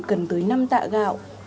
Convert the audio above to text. cần tới năm tạ gạo